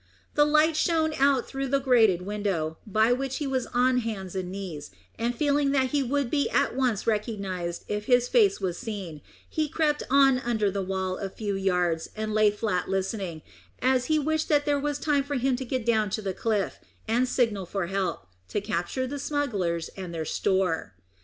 The light shone out through the grated window, by which he was on hands and knees, and feeling that he would be at once recognised if his face was seen, he crept on under the wall a few yards, and lay flat listening, as he wished that there was time for him to get down to the cliff, and signal for help, to capture the smugglers and their store.